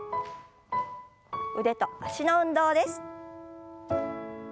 腕と脚の運動です。